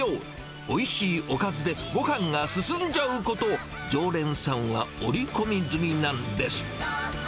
おいしいおかずでごはんが進んじゃうこと、常連さんは織り込み済みなんです。